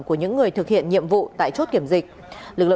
của những người thực hiện nhiệm vụ tại chốt kiểm dịch